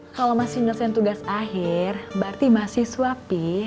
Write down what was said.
kalau masih ngerjain tugas akhir berarti mahasiswa pi